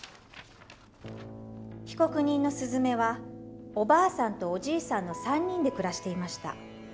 被告人のすずめはおばあさんとおじいさんの３人で暮らしていました。